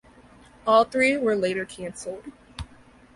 All three were later cancelled.